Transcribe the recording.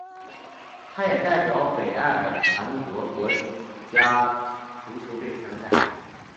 他也代表北爱尔兰国家足球队参赛。